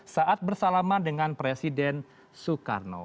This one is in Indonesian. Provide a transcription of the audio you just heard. saat bersalaman dengan presiden soekarno